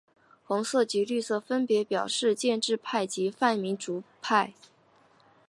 红色及绿色分别表示建制派及泛民主派。